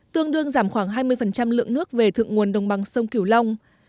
tương đương giảm khoảng hai mươi lượng nước về thượng nguồn đồng bằng sông cửu long